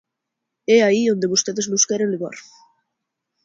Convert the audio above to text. É aí onde vostedes nos queren levar.